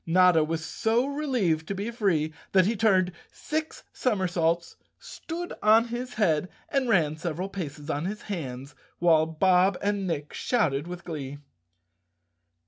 Notta was so relieved to be free that he turned six somersaults, stood on his head, and ran several paces on his hands, while Bob and Nick shouted with glee.